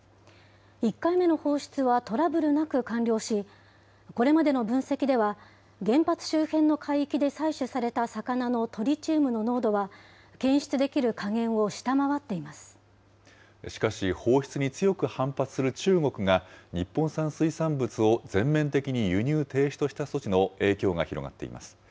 １回目の放出はトラブルなく完了し、これまでの分析では、原発周辺の海域で採取された魚のトリチウムの濃度は、しかし、放出に強く反発する中国が、日本産水産物を全面的に輸入停止とした措置の影響が広がっています。